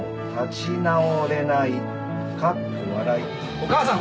お母さん！